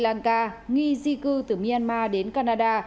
sri lanka nghi di cư từ myanmar đến canada